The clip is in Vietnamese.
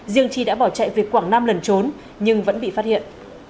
riêng chi đã bỏ chạy về quảng nam lần trốn nhưng vẫn bị phát hiện